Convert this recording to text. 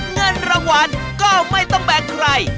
เงินรางวัลก็ไม่ต้องแบกใคร